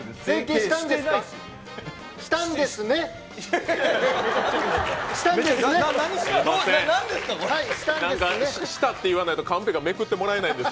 したって言わないと、カンペがめくってもらえないんです。